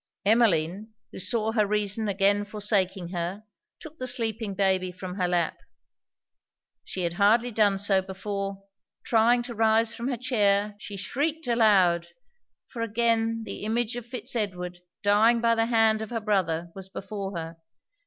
Emmeline, who saw her reason again forsaking her, took the sleeping baby from her lap. She had hardly done so, before, trying to rise from her chair, she shrieked aloud for again the image of Fitz Edward, dying by the hand of her brother, was before her.